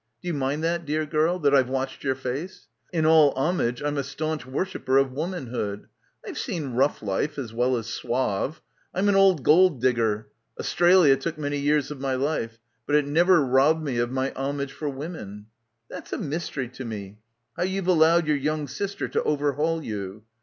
Do you mind that, dear girl, that I've watched your face? In all homage. I'm a staunch worshipper of womanhood. I've seen rough life as well as suave. I'm an old gold digger — Ustralia took many years of my life; but it never robbed me of my homage for women. ... "That's a mystery to me. How you've allowed your young sister to overhaul you.